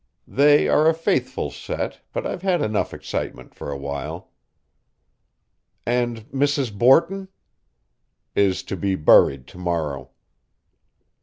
"They are a faithful set, but I've had enough excitement for a while." "And Mrs. Borton?" "Is to be buried to morrow."